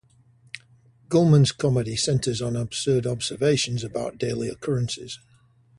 Gulman's comedy centers on absurd observations about daily occurrences.